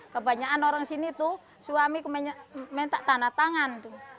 kebanyakan orang sini tuh suami minta tanah tangan